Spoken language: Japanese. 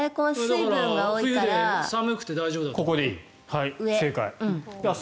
寒くて大丈夫だから。